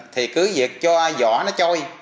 thì cứ việc cho vỏ nó trôi